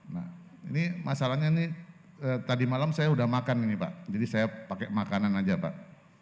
nah ini masalahnya ini tadi malam saya udah makan ini pak jadi saya pakai makanan aja pak